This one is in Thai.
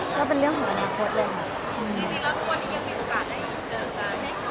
ก็เป็นเรื่องของอนาคตเลยค่ะ